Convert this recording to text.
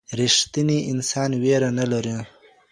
ريښتينی انسان وېره نه لري